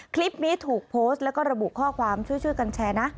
คลิปนี้ถูกโพสต์แล้วก็ระบุข้อความช่วยกันแชร์นะ